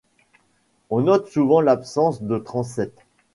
On note souvent l'absence de transept.